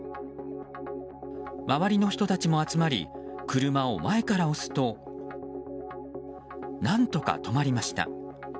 周りの人たちも集まり車を前から押すと何とか止まりました。